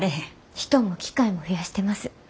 人も機械も増やしてます。